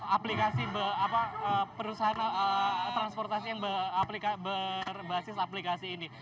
aplikasi perusahaan transportasi yang berbasis aplikasi ini